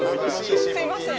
すいません。